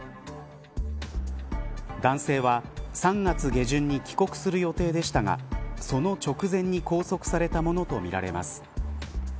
男性は３月下旬に帰国する予定でしたがその直前に拘束されたものとみられます。